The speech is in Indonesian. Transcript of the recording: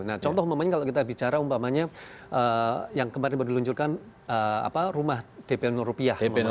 nah contoh memangnya kalau kita bicara umpamanya yang kemarin berluncurkan rumah dp rupiah